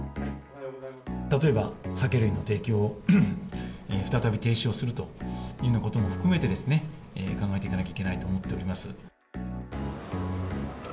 例えば、酒類の提供を再び停止をするというようなことも含めてですね、考えていかなきゃいけないと思っております。